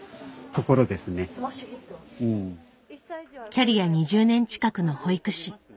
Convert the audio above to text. キャリア２０年近くの保育士。